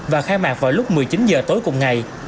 và khai mạc vào lúc một mươi chín h tối cùng ngày